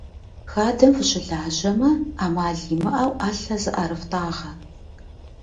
Хадэм фыщылажьэмэ, ӏэмал имыӏэу ӏэлъэ зыӏэрыфтӏагъэ.